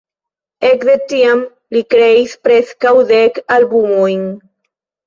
Ekde tiam li kreis preskaŭ dek albumojn.